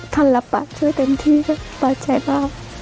ทันละปากเชื่อเต็มที่ปลอดภัยมาก